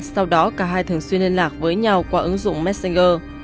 sau đó cả hai thường xuyên liên lạc với nhau qua ứng dụng messenger